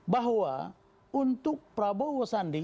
bahwa untuk prabowo sandi